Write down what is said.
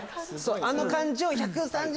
あの感じを１３０！